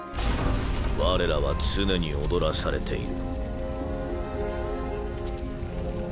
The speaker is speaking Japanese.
われらは常に踊らされている。